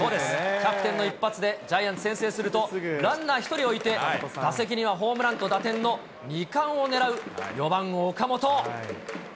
キャプテンの一発で、ジャイアンツ、先制すると、ランナー１人を置いて、打席にはホームランと打点の２冠を狙う、４番岡本。